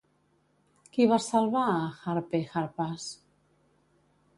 Qui va salvar a Harpe i Harpas?